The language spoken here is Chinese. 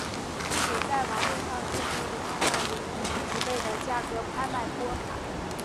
不久在网络上就可以看到有人以几倍的价格拍卖波卡。